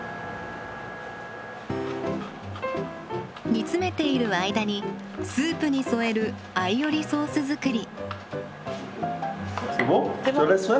煮詰めている間にスープに添えるアイオリソース作り。